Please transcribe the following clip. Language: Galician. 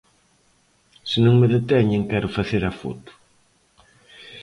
Se non me deteñen, quero facer a foto;